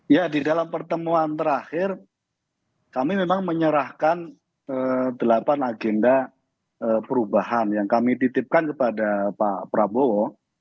ya di dalam pertemuan terakhir kami memang menyerahkan delapan agenda perubahan yang kami titipkan kepada pak prabowo